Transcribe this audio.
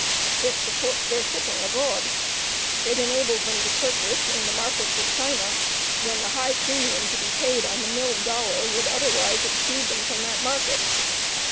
It supports their shipping abroad. It enables them to purchase in the markets of China, when the high premium to be paid on the milled dollar would otherwise exclude them from that market.